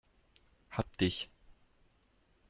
Hab dich!